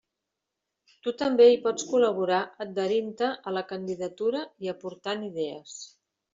Tu també hi pots col·laborar adherint-te a la candidatura i aportant idees.